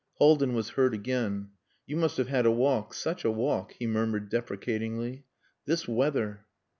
Haldin was heard again. "You must have had a walk such a walk,..." he murmured deprecatingly. "This weather...."